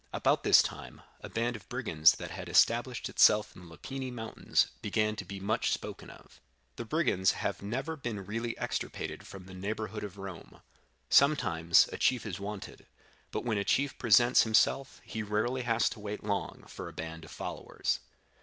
About this time, a band of brigands that had established itself in the Lepini mountains began to be much spoken of. The brigands have never been really extirpated from the neighborhood of Rome. Sometimes a chief is wanted, but when a chief presents himself he rarely has to wait long for a band of followers.